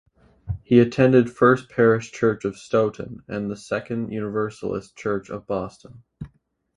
He attended First Parish Church of Stoughton and the Second Universalist Church of Boston.